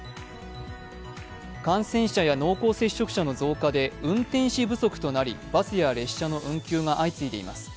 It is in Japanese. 感染者や濃厚接触者の増加で運転士不足となりバスや列車の運休が相次いでいます。